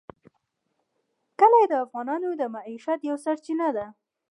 کلي د افغانانو د معیشت یوه سرچینه ده.